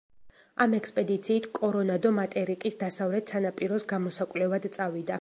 ამ ექსპედიციით კორონადო მატერიკის დასავლეთ სანაპიროს გამოსაკვლევად წავიდა.